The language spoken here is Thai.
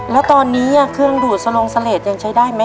แล้วตอนนี้เครื่องดูดสลงเสลดยังใช้ได้ไหม